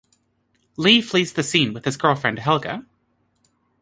Lee flees the scene with his girlfriend Helga.